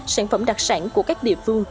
sản phẩm đặc sản của các địa phương